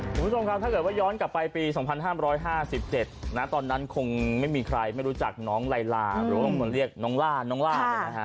คุณผู้ชมครับถ้าเกิดว่าย้อนกลับไปปี๒๕๕๗ตอนนั้นคงไม่มีใครไม่รู้จักน้องไลล่าหรือว่าบางคนเรียกน้องล่าน้องล่า